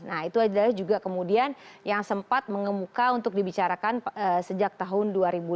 nah itu adalah juga kemudian yang sempat mengemuka untuk dibicarakan sejak tahun dua ribu lima belas